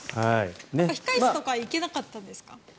控室とか行けなかったんですか？